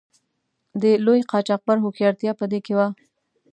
د لوی قاچاقبر هوښیارتیا په دې کې وه.